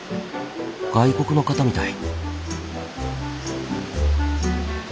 外国の方みたい。